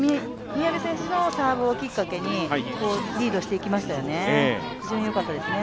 宮部選手のサーブをきっかけにリードしていきましたよね。